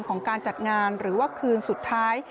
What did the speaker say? ของการจัดงานหรือว่าคืนสุดท้าย